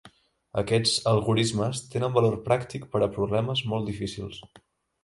Aquests algorismes tenen valor pràctic per a problemes molt difícils.